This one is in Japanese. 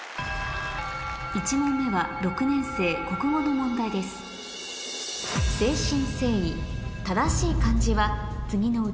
１問目は６年生国語の問題ですそうなのよ。